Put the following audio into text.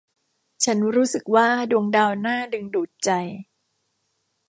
ฉันรู้สึกว่าดวงดาวน่าดึงดูดใจ